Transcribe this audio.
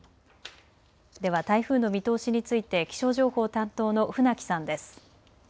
では台風の見通しについて気象情報担当の船木さんです。